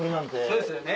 そうですよね。